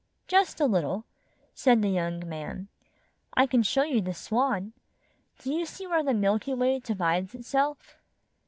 "Just a little," said the young man. "I can show you the Swan. Do you see where the Milky Way divides itself?